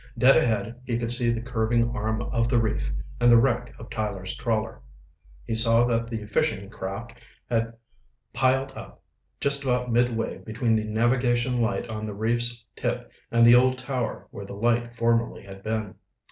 Dead ahead he could see the curving arm of the reef and the wreck of Tyler's trawler. He saw that the fishing craft had piled up just about midway between the navigation light on the reef's tip and the old tower where the light formerly had been.